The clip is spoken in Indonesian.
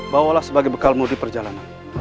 bawalah sebagai bekal mudi perjalanan